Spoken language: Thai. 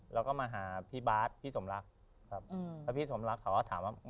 แล้วก็มาหาพี่บาทพี่สมรักครับแล้วพี่สมรักเขาก็ถามว่า